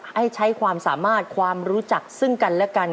ให้ใช้ความสามารถความรู้จักซึ่งกันและกัน